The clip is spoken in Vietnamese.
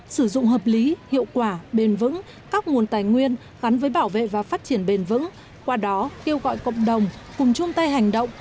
sử dụng hợp lý hiệu quả bền vững các nguồn tài nguyên gắn với bảo vệ và phát triển bền vững qua đó kêu gọi cộng đồng cùng chung tay hành động